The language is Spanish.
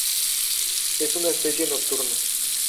Es una especie nocturna.